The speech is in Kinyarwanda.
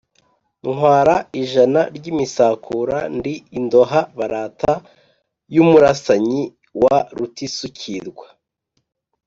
ntwara ijana ry’ imisakura ndi Indoha barata y’umurasanyi wa Rutisukirwa